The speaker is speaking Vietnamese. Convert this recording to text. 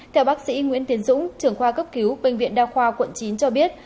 theo bác sĩ nguyễn tiến dũng trưởng khoa cấp cứu bệnh viện đa khoa quận chín cho biết